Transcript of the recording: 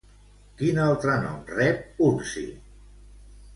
Quin altre nom rep Urtzi?